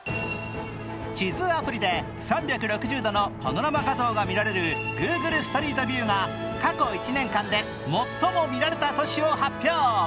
地図アプリで３６０度のパノラマ画像が見られるＧｏｏｇｌｅストリートビューが過去１年間で最も見られた都市を発表。